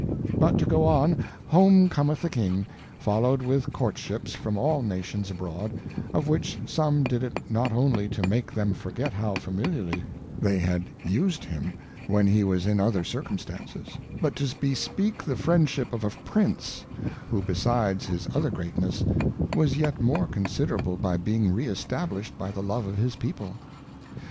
But to go on, home cometh the King, followed with Courtships from all Nations abroad, of which some did it not only to make them forget how familiarly they had us'd him when he was in other Circumstances, but to bespeak the Friendship of a Prince, who b esides hisj)ther Greatness,^was yet more considerable by^ being re established by the love of his people.